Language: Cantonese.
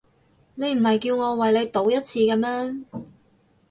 你唔係叫我為你賭一次嘅咩？